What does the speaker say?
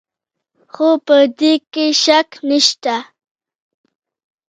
خو په دې کې شک نشته.